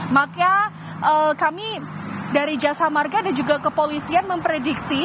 maka kami dari jasa marga dan juga kepolisian memprediksi